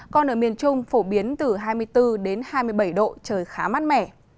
còn ở miền trung phổ biến từ hai mươi bốn đến hai mươi bảy độ trời khá mát mẻ